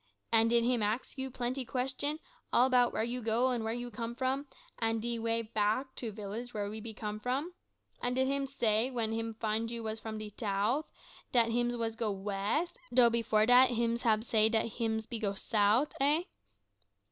An' did him ax you plenty question, all 'bout where you go, an' where you come from, an' de way back to village where we be come from? An' did hims say, when him find you was come from sout, dat hims was go west, though before dat hims hab say dat hims be go sout, eh?"